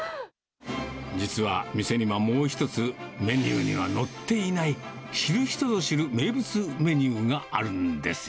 実は店にはもう一つ、メニューには載っていない、知る人ぞ知る名物メニューがあるんですよ。